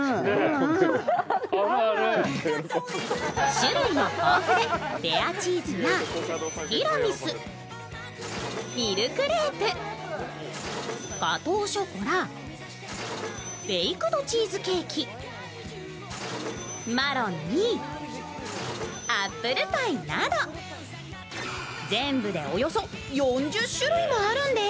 種類も豊富で、レアチーズやティラミス、ミルクレープ、ガトーショコラ、ベイクドチーズケーキ、マロンにアップルパイなど、全部でおよそ４０種類もあるんです。